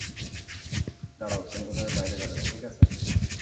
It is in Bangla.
দাঁড়াও, তুমি এভাবে বাইরে যাবে না, ঠিক আছে?